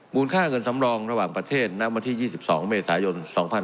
ค่าเงินสำรองระหว่างประเทศณวันที่๒๒เมษายน๒๕๖๒